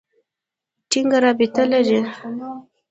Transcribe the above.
ټینګه رابطه لري.